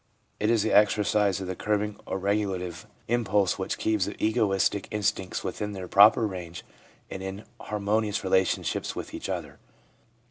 It is the exercise of the curbing or regulative impulse, zvhich keeps the egoistic instincts within their proper range and in harmonious relationships with each other.